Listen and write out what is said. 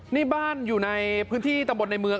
นี่บ้านอยู่ในพื้นที่ตำบลในเมือง